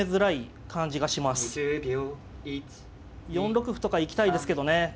４六歩とか行きたいですけどね。